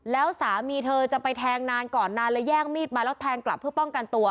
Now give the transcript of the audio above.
แล้วสามีเธอจะไปแทงนานก่อนนานแล้วแย่งมีดมาแล้วแทงกลับเพื่อป้องกันตัว